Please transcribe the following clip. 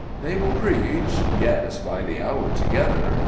They will preach; yes, by the hour together!